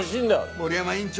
森山院長。